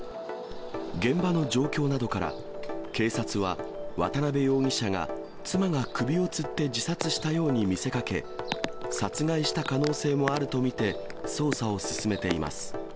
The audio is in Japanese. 現場の状況などから、警察は渡辺容疑者が、妻が首をつって自殺したように見せかけ、殺害した可能性もあると見て捜査を進めています。